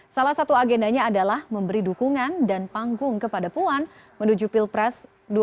salah satu agendanya adalah memberi dukungan dan panggung kepada puan menuju pilpres dua ribu sembilan belas